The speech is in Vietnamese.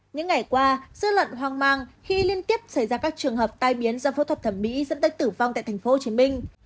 những ngày qua sự lận hoang mang khi liên tiếp xảy ra các trường hợp tai biến do phẫu thuật thẩm mỹ dẫn tới tử vong tại tp hcm